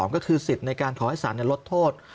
ก็คือสิทธิ์ในการขอให้สารลดโทษ